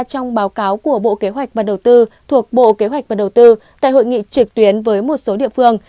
trong báo cáo của bộ kế hoạch và đầu tư thuộc bộ kế hoạch và đầu tư tại hội nghị trực tuyến với một số địa phương